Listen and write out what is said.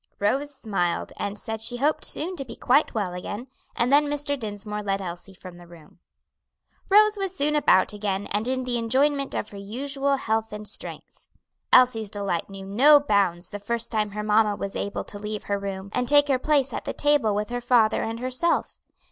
Rose smiled and said she hoped soon to be quite well again, and then Mr. Dinsmore led Elsie from the room. Rose was soon about again and in the enjoyment of her usual health and strength. Elsie's delight knew no bounds the first time her mamma was able to leave her room, and take her place at the table with her father and herself.